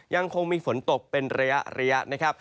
ยังคงมีฝนตกเป็นระยะ